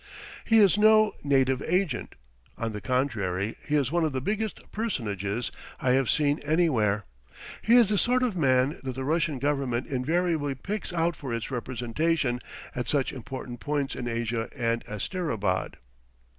He is no "native agent." On the contrary, he is one of the biggest "personages" I have seen anywhere. He is the sort of man that the Russian Government invariably picks out for its representation at such important points in Asia as Asterabad.